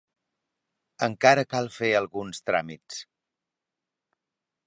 Encara cal fer alguns tràmits.